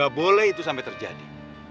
tidak boleh itu sampai terjadi